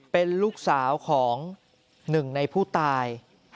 เป็นลูกสาวของหนึ่งในผู้ตาย